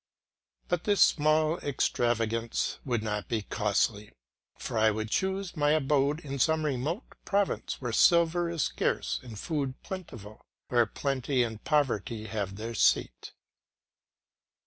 But this small extravagance would not be costly, for I would choose my abode in some remote province where silver is scarce and food plentiful, where plenty and poverty have their seat.